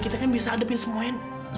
kita kan bisa hadepin semuanya